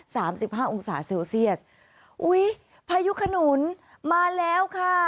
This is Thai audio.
สิบห้าองศาเซลเซียสอุ้ยพายุขนุนมาแล้วค่ะ